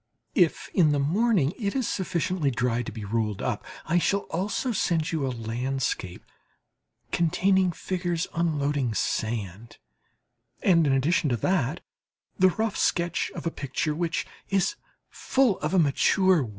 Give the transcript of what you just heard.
If in the morning it is sufficiently dry to be rolled up, I shall also send you a landscape containing figures unloading sand, and in addition to that the rough sketch of a picture which is full of a mature will.